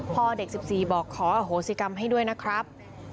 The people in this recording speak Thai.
พ่อเด็ก๑๔บอกขออโหสิกรรมให้ด้วยนะครับ